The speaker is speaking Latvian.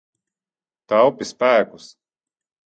Taupi spēkus.